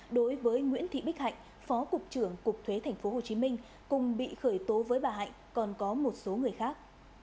đối với nguyễn thị bích hạnh phó cục trưởng cục thuế tp hcm cùng bị khởi tố với bà hạnh còn có một số người khác